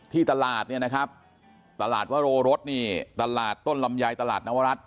ที่ตลาดเนี่ยนะครับตลาดวโรรสนี่ตลาดต้นลำไยตลาดนวรัฐ